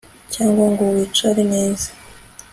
cyangwa ngo wicare neza